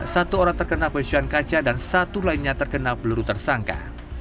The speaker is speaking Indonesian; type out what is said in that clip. satu orang terkena besian kaca dan satu lainnya terkena peluru tersangka